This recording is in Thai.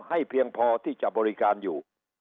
เพียงพอที่จะบริการอยู่